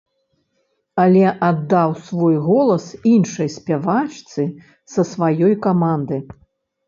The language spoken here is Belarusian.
Але аддаў свой голас іншай спявачцы са сваёй каманды.